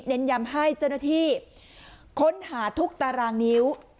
เน้นย้ำให้เจ้าหน้าที่ค้นหาทุกตารางนิ้ว